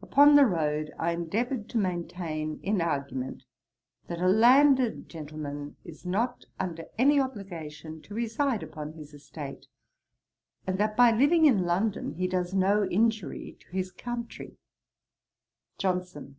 Upon the road, I endeavoured to maintain, in argument, that a landed gentleman is not under any obligation to reside upon his estate; and that by living in London he does no injury to his country. JOHNSON.